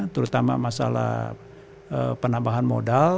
terutama masalah penambahan modal